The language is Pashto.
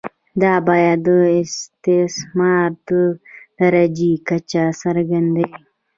دا بیه د استثمار د درجې کچه څرګندوي